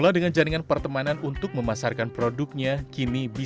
yaudah ini bisa gue praktekin ini